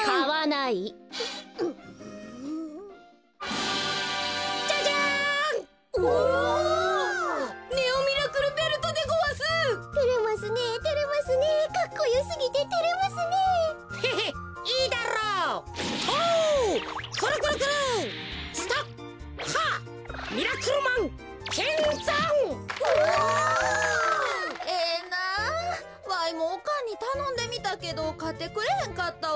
わいもおかんにたのんでみたけどかってくれへんかったわ。